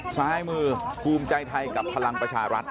ซ้ายมือภูมิใจไทยกับพลังประชารัฐ